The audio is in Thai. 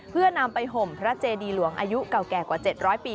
เพื่อนำไปห่มพระเจดีหลวงอายุเก่าแก่กว่า๗๐๐ปี